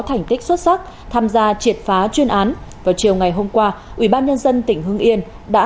thành tích xuất sắc tham gia triệt phá chuyên án vào chiều ngày hôm qua ubnd tỉnh hưng yên đã